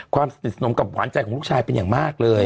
ความสนิทสนมกับหวานใจของลูกชายเป็นอย่างมากเลย